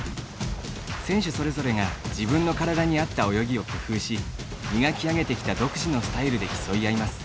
選手それぞれが自分の体に合った泳ぎを工夫し磨き上げてきた独自のスタイルで競い合います。